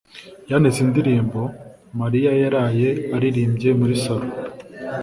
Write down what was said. yanditse indirimbo Mariya yaraye aririmbye muri salo